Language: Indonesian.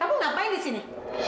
kamu ngapain di sini